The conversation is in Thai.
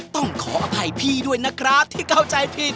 ต้องขออภัยพี่ด้วยนะครับที่เข้าใจผิด